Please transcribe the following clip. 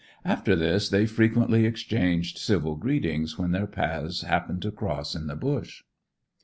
After this, they frequently exchanged civil greeting when their paths happened to cross in the bush.